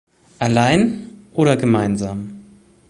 Allein oder gemeinsam?